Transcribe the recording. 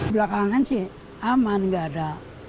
belakangan sih aman nggak ada